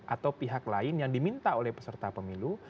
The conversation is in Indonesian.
atau pihak lain yang diminta oleh peserta pemilu